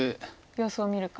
様子を見るか。